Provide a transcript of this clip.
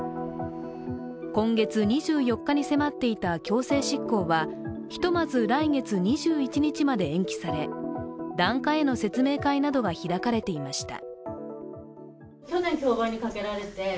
今月２４日に迫っていた強制執行はひとまず来月２１日まで延期され檀家への説明会などが開かれていました。